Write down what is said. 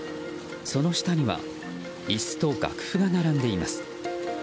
その下には椅子と楽譜が並んでいます。